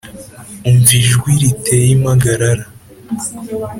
umva ijwi riteye impagarara.